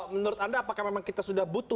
menurut anda apakah memang kita sudah butuh